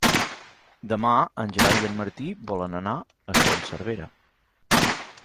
Demà en Gerard i en Martí volen anar a Son Servera.